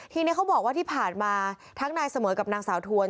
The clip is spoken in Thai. ทีนี้เขาบอกว่าที่ผ่านมาทั้งนายเสมอกับนางสาวทวน